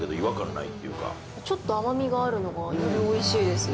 ちょっと甘みがあるのがより美味しいです。